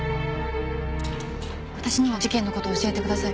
私にも事件の事教えてください。